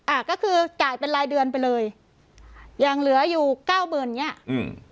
อ่าก็คือจ่ายเป็นรายเดือนไปเลยยังเหลืออยู่เก้าหมื่นอย่างเงี้ยอืม